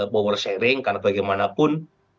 power sharing karena bagaimanapun